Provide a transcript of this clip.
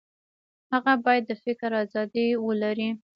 هغه باید د فکر ازادي ولري.